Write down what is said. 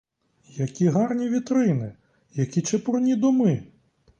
Які гарні вітрини, які чепурні доми!